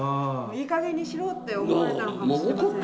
いいかげんにしろって思われたのかもしれませんね。